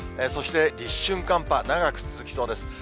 そして立春寒波、長く続きそうです。